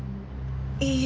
いいえ。